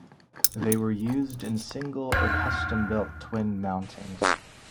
They were used in single or custom built twin mountings.